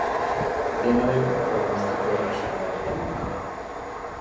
Dena dela, pronostiko erreserbatua du.